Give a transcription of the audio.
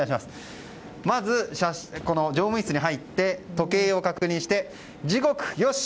まず、乗務室に入って時計を確認して時刻よし！